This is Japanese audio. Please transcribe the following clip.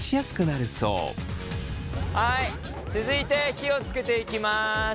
続いて火をつけていきます。